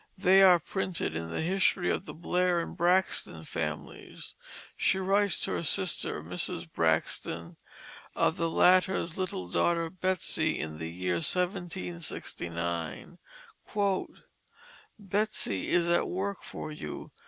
They are printed in the History of the Blair and Braxton Families. She writes to her sister, Mrs. Braxton, of the latter's little daughter, Betsey, in the year 1769: "Betsey is at work for you.